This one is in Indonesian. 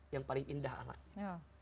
yang paling indah alatnya